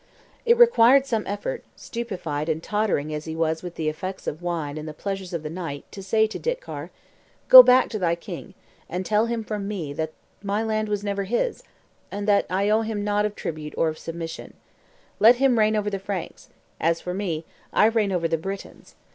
It required some effort, stupefied and tottering as he was with the effects of wine and the pleasures of the night, to say to Ditcar, "Go back to thy king, and tell him from me that my land was never his, and that I owe him nought of tribute or submission. Let him reign over the Franks; as for me, I reign over the Britons.